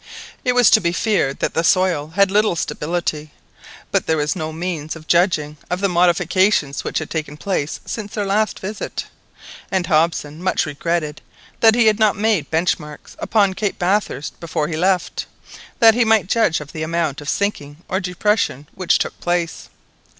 It was to be feared that the soil had little stability, but there was no means of judging of the modifications which had taken place since their last visit, and Hobson much regretted that he had not made bench marks about Cape Bathurst before he left, that he might judge of the amount of sinking or depression which took place.